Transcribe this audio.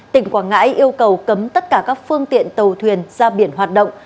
tỉnh quảng ngãi yêu cầu cấm tất cả các phương tiện tàu thuyền ra biển hoạt động